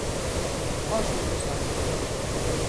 Ósos de santo.